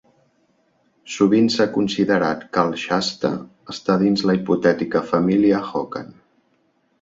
Sovint s'ha considerat que el shasta està dins la hipotètica família hocan.